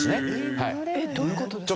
えっどういう事ですか？